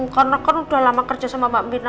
karena kan udah lama kerja sama mbak mirna